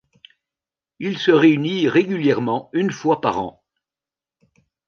Il se réunit régulièrement une fois par an.